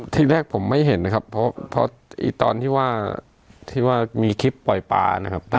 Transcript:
ที่แรกผมไม่เห็นนะครับเพราะตอนที่ว่าที่ว่ามีคลิปปล่อยปลานะครับ